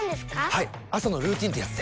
はい朝のルーティンってやつで。